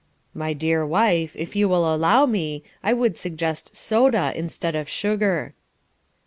"My dear wife, if you will allow me, I would suggest soda instead of sugar."